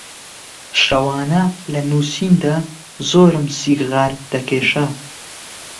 شەوانە لە نووسیندا زۆرم سیغار دەکێشا